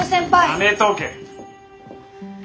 やめとけ。